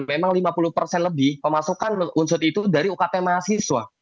memang lima puluh persen lebih pemasukan unsur itu dari ukt mahasiswa